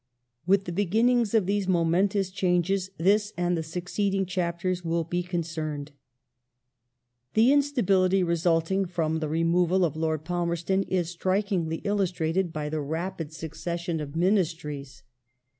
With the beginnings of these momentous changes, this and the succeeding chapters will be concerned. The instability resulting from the removal of Lord Palmerston is strikingly illustrated by the rapid succession of Ministries.